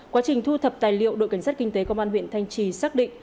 quá trình thu thập tài liệu đội cảnh sát kinh tế công an huyện thanh trì xác định